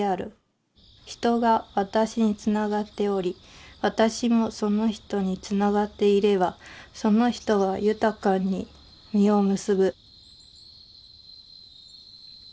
人が私につながっており私もその人につながっていればその人は豊かに実を結ぶ」。